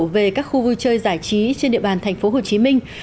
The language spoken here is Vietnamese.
về các khu vui chơi giải trí trên địa bàn thành phố hồ chí minh